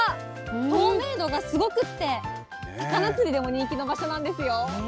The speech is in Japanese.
透明度がすごくって、魚釣りでも人気の場所なんですよ。